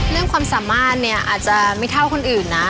เรื่องความสามารถนี่อาจจะไม่เท่าคนอื่นนะ